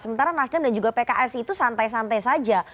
sementara nasdem dan juga pks itu santai santai saja